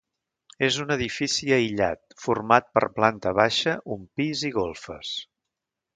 És un edifici aïllat, format per planta baixa, un pis i golfes.